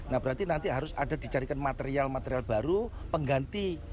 nah berarti nanti harus ada dicarikan material material baru pengganti